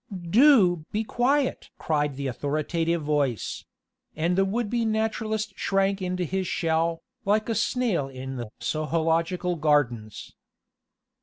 "Do be quiet!" cried the authoritative voice; and the would be naturalist shrank into his shell, like a snail in the "Sohological Gardens."